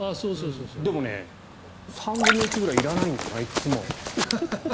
でも、３分の１ぐらいいらないんだよな、いつも。